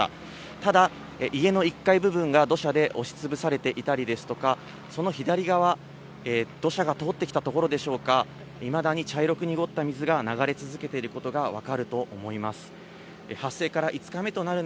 ただ、家の１階部分が土砂で押しつぶされていたりですとか、その左側、土砂が通ってきた所でしょうか、いまだに茶色く濁った水が流れ続けていることが分かると思います。